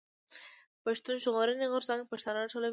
پښتون ژغورني غورځنګ پښتانه راټولوي.